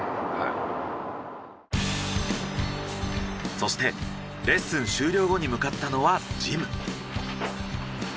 そしてレッスン終了後に向かったのはジム。